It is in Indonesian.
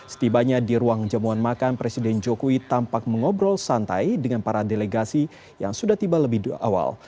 setibanya di ruang jamuan makan presiden jokowi tampak mengobrol santai dengan para delegasi yang sudah tiba lebih awal